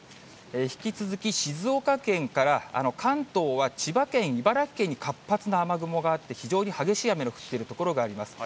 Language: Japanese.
引き続き静岡県から関東は千葉県、茨城県に活発な雨雲があって、非常に激しい雨の降っている所があります。